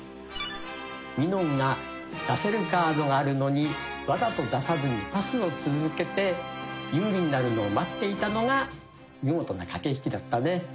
みのんが出せるカードがあるのにわざと出さずにパスを続けて有利になるのを待っていたのが見事な駆け引きだったね。